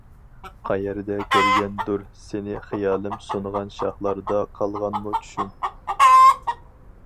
قەيەردە كۆرگەندۇر سېنى خىيالىم سۇنغان شاخلاردا قالغانمۇ چۈشۈم.